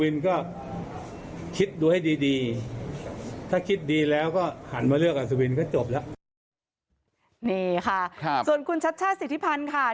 นี่ค่ะส่วนคุณชัชชาศิษภัณฑ์ค่ะ